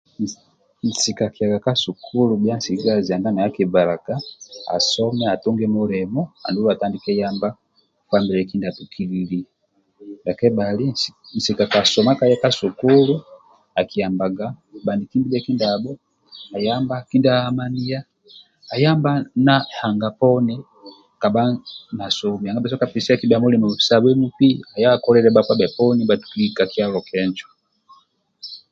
Nsika akiaga ka sukulu bya nsigazi nanga naye akibhalaga asome atunge nulimo andulu atandike yamba famile kindya tukililiyo ndia kebhali nsika kasoma kaya ka sukulu akiyambaga baniki ndibabho ayamba kindya hamaniya na ehanga poni kabha na somi nanga ba sobhola pesiyaki mulimo sya bwa mp aye akoliluw bakpa bhe poni nsibha tuki ka kyalo kenjo